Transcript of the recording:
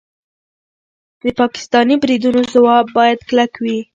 د پاکستاني بریدونو ځواب باید کلک وي.